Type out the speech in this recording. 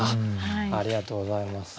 ありがとうございます。